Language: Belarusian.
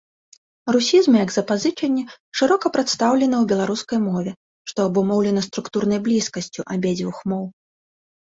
Русізмы як запазычанні шырока прадстаўлены ў беларускай мове, што абумоўлена структурнай блізкасцю абедзвюх моў.